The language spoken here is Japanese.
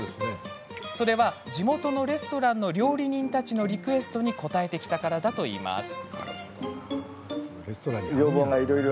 それは、地元のレストランの料理人たちのリクエストに応えてきたからだといいます。